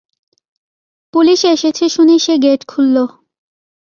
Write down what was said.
Police এসেছে শুনে সে গেট খুলল।